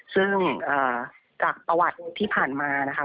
ซึ่งจากประวัติที่ผ่านมานะคะ